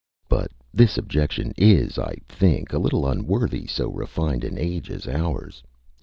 But this objection is, I think, a little unworthy so refined an age as ours.